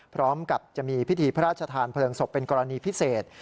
พร้อมกับจะมีพิธีพระราชทานเพลิงศพเป็นกรณีพิเศษ